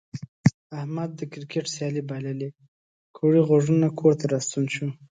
احمد د کرکټ سیالي بایللې کوړی غوږونه کور ته راستون شو.